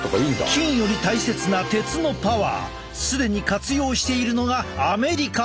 金より大切な鉄のパワー既に活用しているのがアメリカ！